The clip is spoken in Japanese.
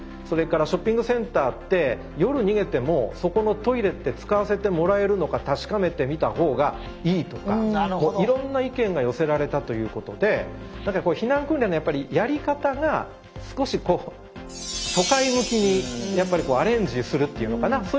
それからショッピングセンターって夜逃げてもそこのトイレって使わせてもらえるのか確かめてみた方がいいとかいろんな意見が寄せられたということでだからこう避難訓練のやっぱりやり方が少し都会向きにやっぱりアレンジするっていうのかな